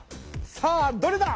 さあどれだ？